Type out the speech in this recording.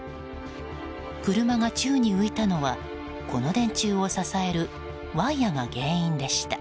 車が宙に浮いたのはこの電柱を支えるワイヤが原因でした。